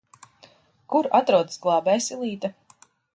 Kur atrodas gl?b?jsil?te?